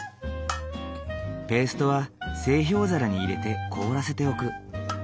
ペーストは製氷皿に入れて凍らせておく。